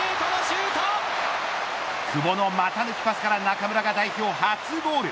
久保の股抜きパスから中村が代表初ゴール。